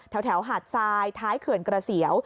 หาดทรายท้ายเขื่อนกระเสียว